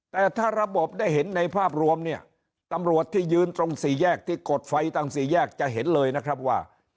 แต่ถ้าระบบได้เห็นในภาพรวมเนี่ยตำรวจที่ยืนตรงสี่แยกที่กดไฟตั้งสี่แยกจะเห็นเลยนะครับว่า